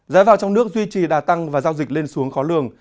giá vàng trong nước duy trì đà tăng và giao dịch lên xuống khó lường